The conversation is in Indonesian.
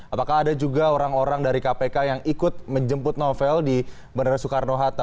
apakah ada juga orang orang dari kpk yang ikut menjemput novel di bandara soekarno hatta